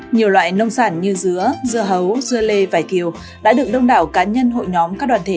nhiều loại nông sản như dứa dưa hấu dưa lê vải thiều đã được đông đảo cá nhân hội nhóm các đoàn thể